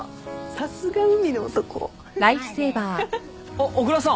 ・あっ小椋さん！